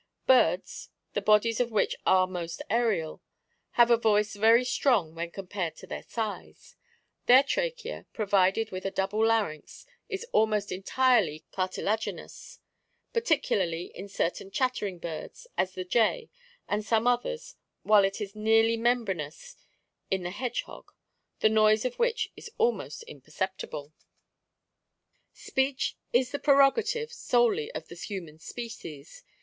Birds, the bodies of which are most serial, have a voice very strong when compared to their size ; their trachea, provided with a double jarynx, is almost entirely cartilaginous, particularly in certain chattering AND V0CAL ILLUSIONS. 13 birds, as the jay and some others, while it is nearly membranous in the hedgehog, the noise of which is almost imperceptible. " Speech is the prerogative solely of the human species.